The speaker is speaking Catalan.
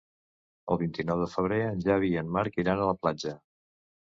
El vint-i-nou de febrer en Xavi i en Marc iran a la platja.